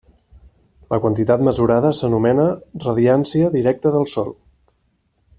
La quantitat mesurada s'anomena radiància directa del sol.